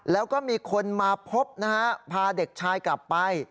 แล้วก็มีคนมาพบนะฮะพาเด็กชายกลับไป